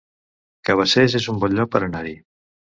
Cabacés es un bon lloc per anar-hi